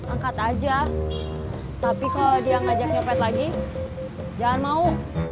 angkat aja tapi kalau dia ngajak nyepet lagi jangan mau